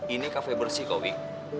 ini kafe bersih kok wik